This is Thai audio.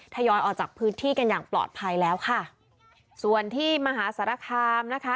ยอยออกจากพื้นที่กันอย่างปลอดภัยแล้วค่ะส่วนที่มหาสารคามนะคะ